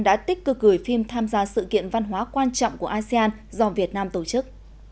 đã tích cực gửi phim tham gia sự kiện văn hóa quan trọng của asean do việt nam tổ chức